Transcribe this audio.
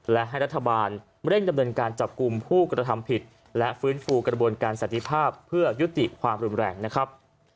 และให้รัฐบาลเร่งดำเนินการจับกลุ่มผู้กระทำผิดและฟื้นฟูกระบวนการสันติภาพเพื่อยุติความรุนแรงนะครับ